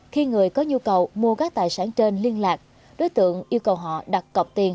khi người có nhu cầu mua các tài sản trên liên lạc đối tượng yêu cầu họ đặt cọp tiền